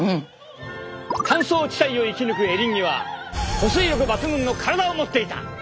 乾燥地帯を生き抜くエリンギは保水力抜群の体を持っていた。